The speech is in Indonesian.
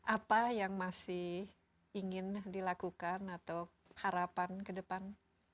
apa yang masih ingin dilakukan atau harapan ke depan